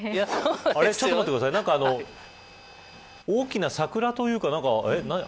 ちょっと待ってください大きな桜というか。